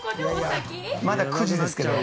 まだ９時ですけど。